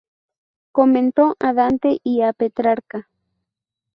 Comentó a Dante y a Petrarca.